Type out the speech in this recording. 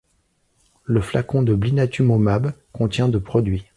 Le flacon de blinatumomab contient de produit.